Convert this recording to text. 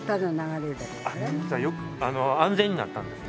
安全になったんですね。